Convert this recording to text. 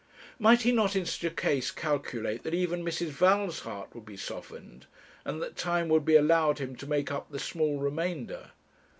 Might he not, in such a case, calculate that even Mrs. Val's heart would be softened, and that time would be allowed him to make up the small remainder?